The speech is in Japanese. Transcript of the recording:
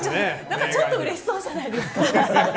何かちょっとうれしそうじゃないですか？